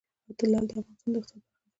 لعل د افغانستان د اقتصاد برخه ده.